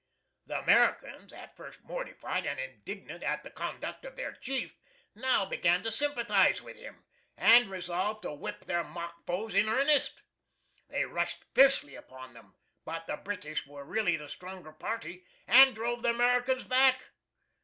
The Americans, at first mortified and indignant at the conduct of their chief, now began to sympathize with him, and resolved to whip their mock foes in earnest. They rushed fiercely upon them, but the British were really the stronger party and drove the Americans back.